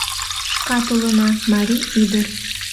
Шкат улына марий ӱдыр